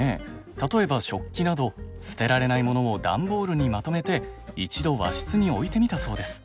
例えば食器など捨てられないものを段ボールにまとめて一度和室に置いてみたそうです。